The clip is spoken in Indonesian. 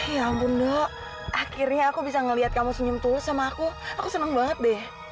ya ampun dulu akhirnya aku bisa ngeliat kamu senyum terus sama aku aku senang banget deh